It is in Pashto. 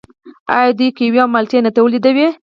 آیا دوی کیوي او مالټې نه تولیدوي؟